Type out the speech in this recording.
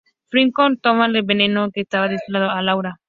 Gioconda toma el veneno que estaba destinado a Laura.